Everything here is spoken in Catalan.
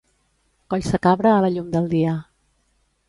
Collsacabra a la llum del dia.